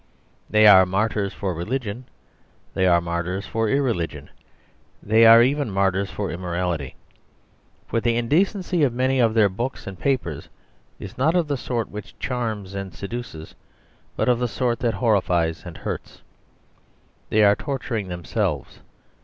They are martyrs for religion, they are martyrs for irreligion; they are even martyrs for immorality. For the indecency of many of their books and papers is not of the sort which charms and seduces, but of the sort that horrifies and hurts; they are torturing themselves.